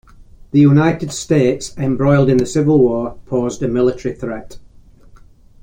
The United States, embroiled in the Civil War, posed a military threat.